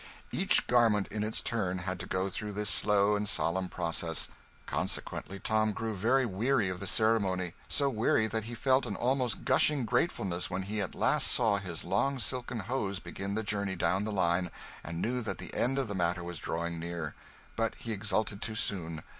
Each garment in its turn had to go through this slow and solemn process; consequently Tom grew very weary of the ceremony; so weary that he felt an almost gushing gratefulness when he at last saw his long silken hose begin the journey down the line and knew that the end of the matter was drawing near. But he exulted too soon.